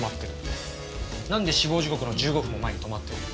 なんで死亡時刻の１５分も前に止まってるの？